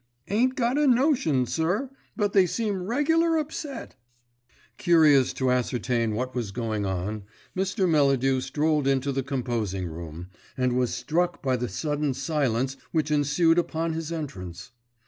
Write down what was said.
"Ain't got a notion, sir; but they seem regular upset." Curious to ascertain what was going on, Mr. Melladew strolled into the composing room, and was struck by the sudden silence which ensued upon his entrance.